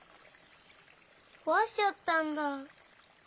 こわしちゃったんだ。